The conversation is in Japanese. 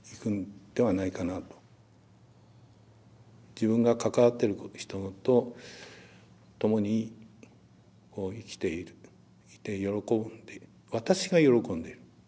自分が関わってる人とともに生きていて喜んでいる私が喜んでいる。